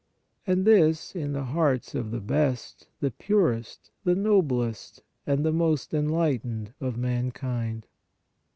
And this, in the hearts of the best, the purest, the noblest and the most enlightened of mankind!